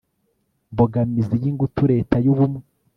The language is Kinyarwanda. mbogamizi y ingutu Leta y Ubumwe